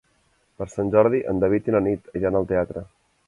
Per Sant Jordi en David i na Nit iran al teatre.